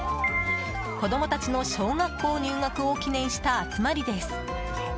子供たちの小学校入学を記念した集まりです。